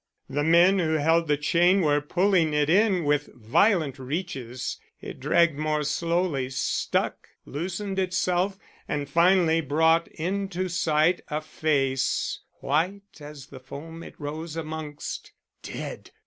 The men who held the chain were pulling it in with violent reaches. It dragged more slowly, stuck, loosened itself, and finally brought into sight a face white as the foam it rose amongst. "Dead!